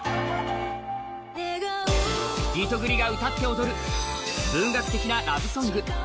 リトグリが、歌って踊る文学的なラブソング